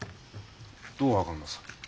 どう分かるのさ？